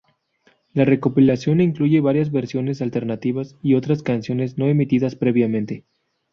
La recopilación incluye varias versiones alternativas y otras canciones no emitidas previamente.